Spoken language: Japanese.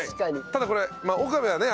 ただこれ岡部はね